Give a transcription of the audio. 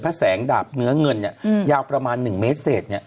พระแสงดาบเหนือเงินยาวประมาณ๑เมตรเศษ